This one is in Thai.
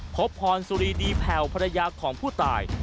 พบพรสุรีดีแผ่วภรรยาของผู้ตาย